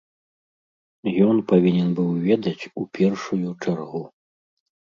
Ён павінен быў ведаць у першую чаргу.